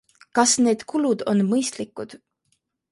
Kas need kulud on mõistlikud?